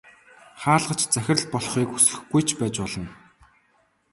Хаалгач захирал болохыг хүсэхгүй ч байж болно.